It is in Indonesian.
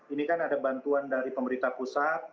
ini kan ada bantuan dari pemerintah pusat